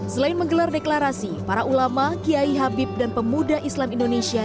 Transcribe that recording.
selain menggelar deklarasi para ulama kiai habib dan pemuda islam indonesia